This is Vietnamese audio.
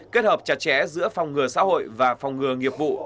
kết hợp chặt chẽ giữa phòng ngừa xã hội và phòng ngừa nghiệp vụ